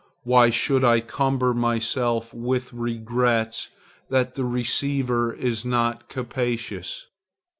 Why should I cumber myself with regrets that the receiver is not capacious?